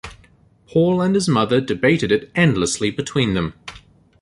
Paul and his mother debated it endlessly between them.